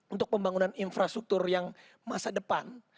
untuk pembangunan infrastruktur yang masa depan